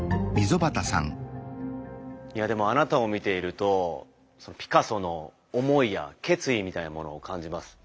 いやでもあなたを見ているとピカソの思いや決意みたいなものを感じます。